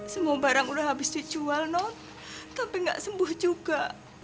semua barang udah habis dijual non tapi nggak sembuh juga